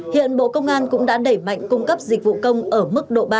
hiện bộ công an cũng đã đẩy mạnh cung cấp dịch vụ công ở mức độ ba